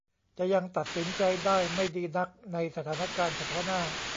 จะยังตัดสินใจได้ไม่ดีนักในสถานการณ์เฉพาะหน้า